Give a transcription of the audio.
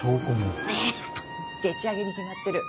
でっちあげに決まってる。